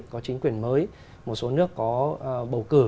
có chính quyền mới một số nước có bầu cử